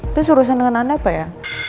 itu suruh senangan anda apa ya